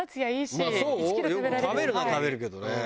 よく食べるは食べるけどね。